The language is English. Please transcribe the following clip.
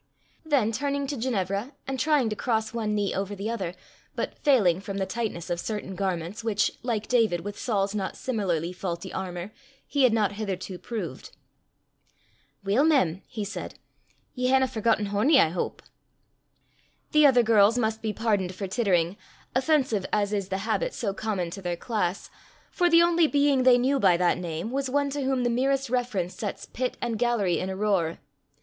Then turning to Ginevra, and trying to cross one knee over the other, but failing from the tightness of certain garments, which, like David with Saul's not similarly faulty armour, he had not hitherto proved, "Weel, mem," he said, "ye haena forgotten Hornie, I houp." The other girls must be pardoned for tittering, offensive as is the habit so common to their class, for the only being they knew by that name was one to whom the merest reference sets pit and gallery in a roar.